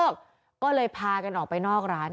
ก็เลยพากันออกไปนอกร้าน